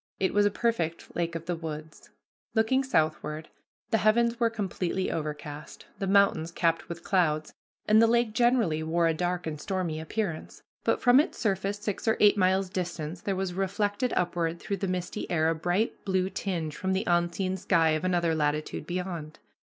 It was a perfect lake of the woods. Looking southward, the heavens were completely overcast, the mountains capped with clouds, and the lake generally wore a dark and stormy appearance, but from its surface six or eight miles distant there was reflected upward through the misty air a bright blue tinge from the unseen sky of another latitude beyond.